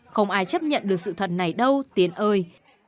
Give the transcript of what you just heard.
không ai chấp nhận được sự thật này đâu tiến ơi